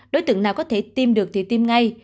đối tượng nào có thể tiêm được thì tiêm ngay